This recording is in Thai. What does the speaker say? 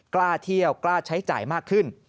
กล้าเที่ยวกล้าใช้จ่ายมากขึ้น